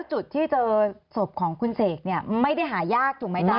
จุดที่เจอศพของคุณเสกเนี่ยไม่ได้หายากถูกไหมจ๊ะ